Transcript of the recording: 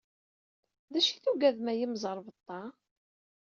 D acu ay tuggadem i imẓerbeḍḍa?